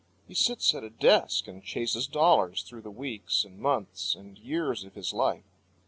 He sits at a desk and chases dollars through the weeks and months and years of his life.